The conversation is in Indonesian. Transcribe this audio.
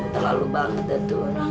terlalu banget itu orang